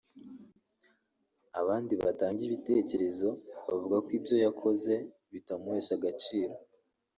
abandi bagatanga ibitekerezo bavuga ko ibyo yakoze bitamuhesha agaciro